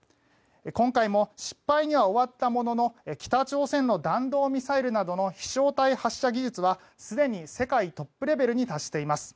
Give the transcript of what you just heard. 今回も失敗には終わったものの北朝鮮の弾道ミサイルなどの飛翔体発射技術はすでに世界トップレベルに達しています。